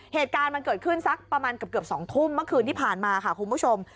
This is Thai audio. เหตุการณ์มันเกิดขึ้นสักประมาณเกือบ๒ทุ่มเมื่อคืนที่ผ่านมาค่ะคุณผู้ชม